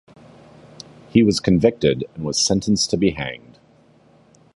He was convicted and was sentenced to be hanged.